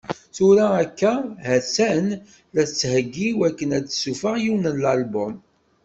Tura akka, ha-tt-an la tettheggi i wakken ad tessufeɣ yiwen n album.